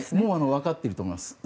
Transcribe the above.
分かっていると思います。